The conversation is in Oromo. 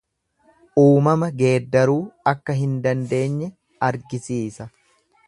Uumama geeddaruu akka hin dandeenye argisiisa.